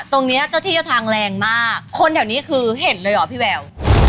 ตรงนี้เจ้าที่เจ้าทางแรงมากคนแถวนี้คือเห็นเลยเหรอพี่แวว